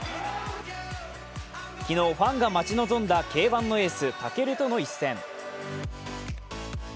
昨日ファンが待ち望んだＫ−１の武尊との一戦。